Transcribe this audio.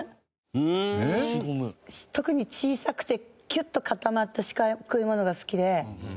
特に小さくてキュッと固まった四角いものが好きで。